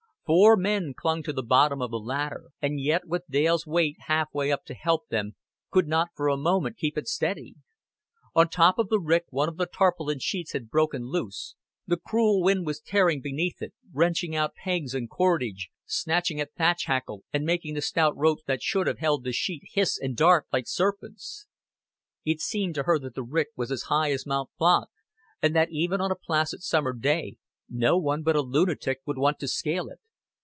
Four men clung to the bottom of the ladder, and yet, with Dale's weight half way up to help them, could not for a moment keep it steady. On top of the rick one of the tarpaulin sheets had broken loose; the cruel wind was tearing beneath it, wrenching out pegs and cordage, snatching at thatch hackle, and making the stout ropes that should have held the sheet hiss and dart like serpents. It seemed to her that the rick was as high as Mont Blanc, and that even on a placid summer day no one but a lunatic would want to scale it.